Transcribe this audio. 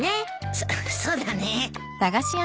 そっそうだね。